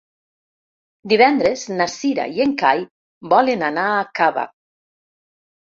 Divendres na Cira i en Cai volen anar a Cava.